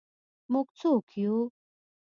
موږ څوک یو؟